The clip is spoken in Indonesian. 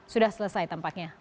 sudah selesai tampaknya